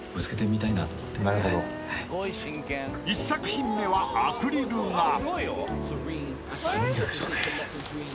［１作品目はアクリル画］いいんじゃないっすかね。